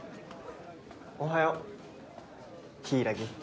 おはよう柊。